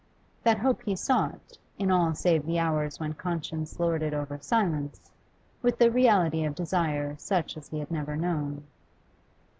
That hope he sought, in all save the hours when conscience lorded over silence, with a reality of desire such as he had never known.